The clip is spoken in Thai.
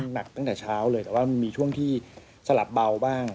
หนักตั้งแต่เช้าเลยแต่ว่ามันมีช่วงที่สลับเบาบ้าง